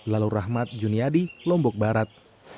lalu rahmat juniadi lombok barat